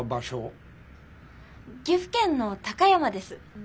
岐阜県の高山です。